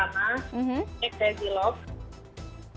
jadi kita ada rencana kak